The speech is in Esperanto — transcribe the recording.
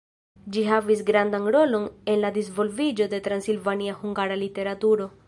Ĝi havis gravan rolon en la disvolviĝo de la transilvania hungara literaturo.